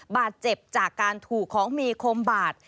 บาดเจ็บจากการถูกของมีคมบาด